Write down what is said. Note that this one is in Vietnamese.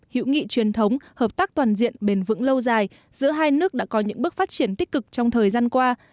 hữu nghị truyền thống hợp tác toàn diện bền vững lâu dài giữa hai nước đã có những bước phát triển tích cực trong thời gian qua